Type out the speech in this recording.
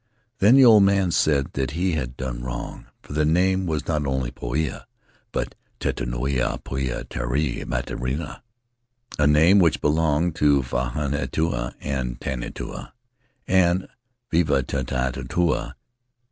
Then the old man said that he had done wrong, for the name was not only Poia, but Tetuanui Poia Terai Mateatea, a name which belonged to Vahinetua and Tanetua and Vivitautua.